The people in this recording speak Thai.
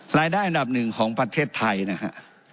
รายได้อันดับหนึ่งของประเทศไทยนะฮะ